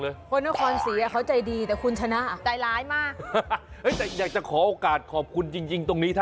แล้วคุณก็ละเอามาฝากพวกเราใช่แม่ล่ะ